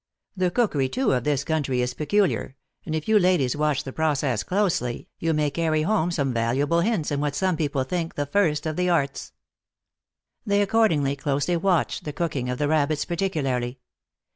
The cookery, too, of this country is peculiar, and if you ladies watch the process closely, you may carry home some valuable hints in what some people think the iirst of the arts." They accordingly closely watched the cooking, of the rabbits particularly.